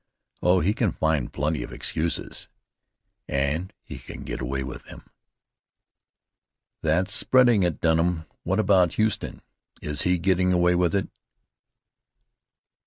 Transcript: Oh, he can find plenty of excuses, and he can get away with them." "That's spreading it, Dunham. What about Huston? is he getting away with it?"